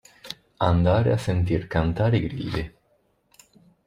Andare a sentir cantare i grilli.